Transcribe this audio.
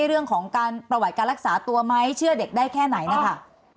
เรื่องของการประวัติการรักษาตัวไหมเชื่อเด็กได้แค่ไหนนะคะ